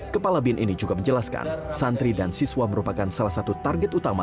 kepala bin ini juga menjelaskan santri dan siswa merupakan salah satu target utama